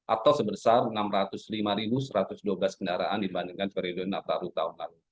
atau sebesar enam ratus lima satu ratus dua belas kendaraan dibandingkan periode nataru tahun lalu